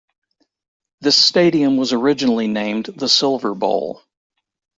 This stadium was originally named The Silver Bowl.